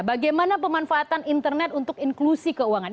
bagaimana pemanfaatan internet untuk inklusi keuangan